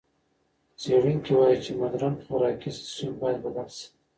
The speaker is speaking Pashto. څېړونکي وايي چې مُدرن خوراکي سیستم باید بدل شي.